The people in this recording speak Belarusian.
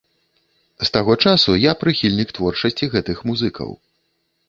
З таго часу я прыхільнік творчасці гэтых музыкаў.